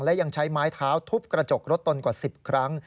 และยังใช้ไม้เท้าทุบกระจกรถตนกว่า๑๐ครั้ง